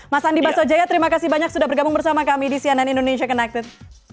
mas andi basojaya terima kasih banyak sudah bergabung bersama kami di cnn indonesia connected